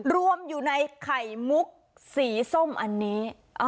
รวมอยู่ในไข่มุกสีส้มอันนี้